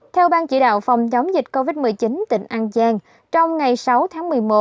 theo ban chỉ đạo phòng chống dịch covid một mươi chín tỉnh an giang trong ngày sáu tháng một mươi một